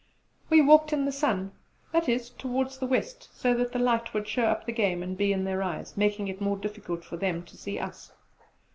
We walked with the sun that is towards the West so that the light would show up the game and be in their eyes, making it more difficult for them to see us.